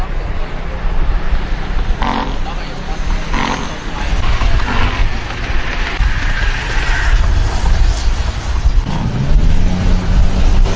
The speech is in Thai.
สวัสดีครับทุกคน